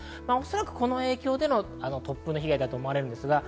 この影響での突風の被害だと思います。